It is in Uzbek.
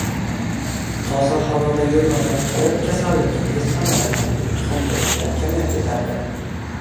Toza havoda yurmagan tovuq kasallikka tez chalinarkan, tuxum tug‘ishiyam kamayib ketarkan